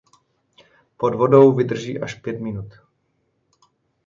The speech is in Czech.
Pod vodou vydrží až pět minut.